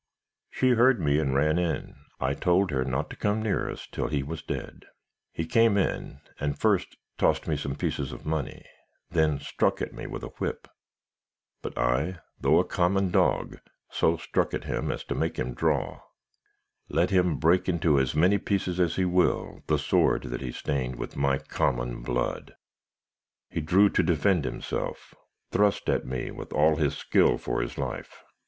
"'She heard me, and ran in. I told her not to come near us till he was dead. He came in and first tossed me some pieces of money; then struck at me with a whip. But I, though a common dog, so struck at him as to make him draw. Let him break into as many pieces as he will, the sword that he stained with my common blood; he drew to defend himself thrust at me with all his skill for his life.'